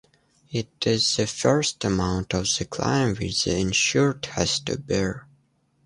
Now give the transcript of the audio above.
It is the first amount of the claim which the insured has to bear.